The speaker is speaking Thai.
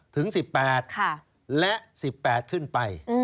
ถึง๑๘และ๑๘ขึ้นไป